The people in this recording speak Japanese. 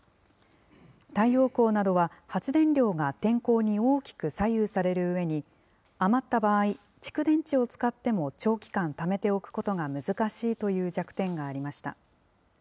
太陽光などは、発電量が天候に大きく左右されるうえに、余った場合、蓄電池を使っても長期間ためておくことが難しいという弱点がありました。